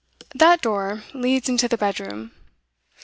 That door leads into the bedroom.